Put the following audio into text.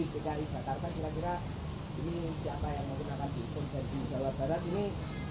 di dki jakarta kira kira siapa yang mungkin akan diponser di jawa barat ini